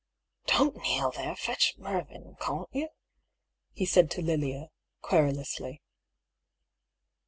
" Don't kneel there ; fetch Mervyn, can't you ?" he said to Lilia, querulously.